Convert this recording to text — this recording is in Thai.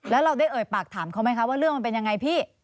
แล้วเราได้เอ่ยปากถามเขาไหมคะว่าเรื่องมันเป็นยังไงพี่